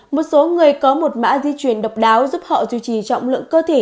một số người có một mã di truyền độc đáo giúp họ duy trì trọng lượng cơ thể